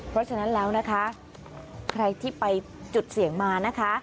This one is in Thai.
เพราะฉะนั้นแล้วนะคะใครที่ไปจุดเสี่ยงมานะคะ